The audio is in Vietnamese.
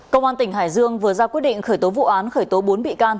công an tỉnh hải dương vừa ra quyết định khởi tố vụ án khởi tố bốn bị can